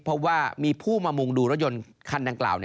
เพราะว่ามีผู้มามุงดูรถยนต์คันดังกล่าว